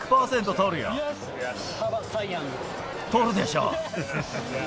とるでしょう。